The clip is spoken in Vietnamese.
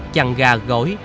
chằn gà gối